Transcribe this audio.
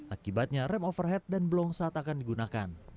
akibatnya rem overhead dan blong saat akan digunakan